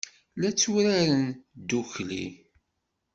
La tturaren ddukkli.